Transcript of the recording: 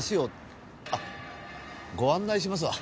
あっご案内しますわ。